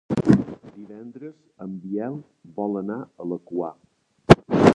Divendres en Biel vol anar a la Quar.